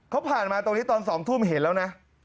เขาผ่านมาตรงนี้ตอน๒ทุ่มเห็นแล้วนะ